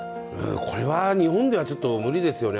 これは日本ではちょっと無理ですよね。